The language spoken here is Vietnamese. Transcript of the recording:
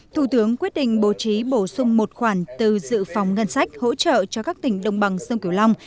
thủ tướng quyết định bổ trí bổ sung một khoản từ dự phòng ngân sách hỗ trợ cho các tỉnh đồng bằng sông cửu long